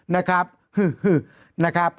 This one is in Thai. นะครับหึนะครับ